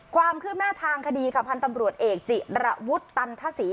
ความคืบหน้าทางคดีค่ะพันธ์ตำรวจเอกจิระวุฒิตันทศรี